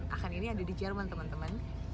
akan ini ada di jerman teman teman